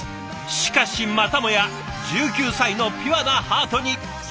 しかしまたもや１９歳のピュアなハートに響きまくった！